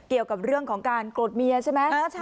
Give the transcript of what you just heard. เกี่ยวกับเรื่องของการโกรธเมียใช่ไหม